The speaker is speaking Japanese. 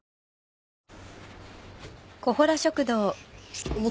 ちょっと。